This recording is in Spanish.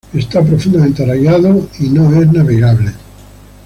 Es profundamente arraigado y no puede ser navegado.